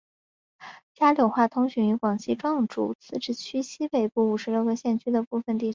桂柳话通行于广西壮族自治区西北部五十六个县市的部分地区。